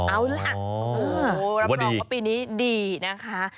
เอาล่ะรับรองว่าปีนี้ดีนะคะ